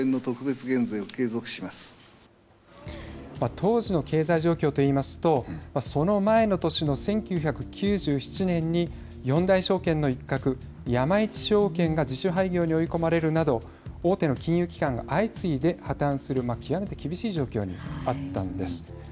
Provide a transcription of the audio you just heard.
当時の経済状況と言いますとその前の年の１９９７年に四大証券の一角、山一証券が自主廃業に追い込まれるなど大手の金融機関が相次いで破綻する極めて厳しい状況にあったんです。